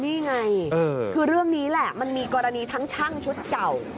นี่ไงคือเรื่องนี้แหละมันมีกรณีทั้งช่างชุดเก่า